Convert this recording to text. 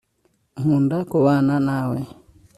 nkunda kubana nawe